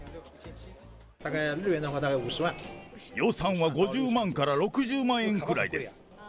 予算は５０万から６０万円くらいです。